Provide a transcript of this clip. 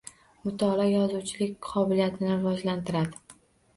Mutolaa yozuvchilik qobiliyatini rivojlantiradi.